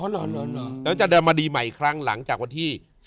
แล้วจะเดินมาดีใหม่อีกครั้งหลังจากวันที่